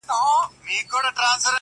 له اوربشو چا غنم نه دي رېبلي-